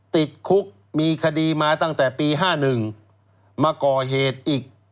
ติดคุกมีคดีมาตั้งแต่ปี๕๑มาก่อเหตุอีก